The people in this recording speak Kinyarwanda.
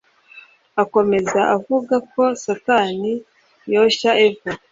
Akomeza avuga ko Satani yoshya Eva